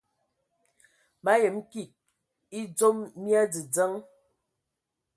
Ma yəm kig edzom mia dzədzəŋ.